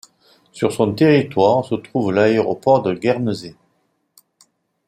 Sur son territoire se trouve l’aéroport de Guernesey.